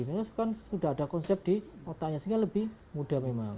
karena kan sudah ada konsep di kotanya sehingga lebih mudah memang